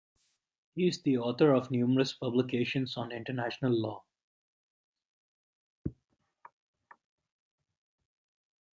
He is the author of numerous publications on international law.